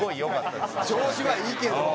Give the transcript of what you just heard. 調子はいいけど。